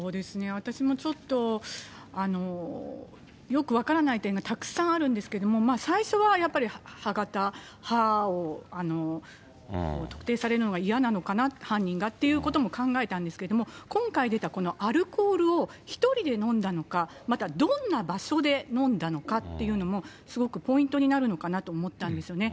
私もちょっとよく分からない点がたくさんあるんですけど、最初はやっぱり、歯型、歯を特定されるのが嫌なのかな、犯人がということも考えたんですけれども、今回出たこのアルコールを１人で飲んだのか、またどんな場所で飲んだのかというのもすごくポイントになるのかなと思ったんですよね。